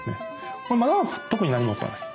これまだ特に何も起こらない。